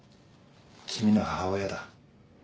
君の母親だ。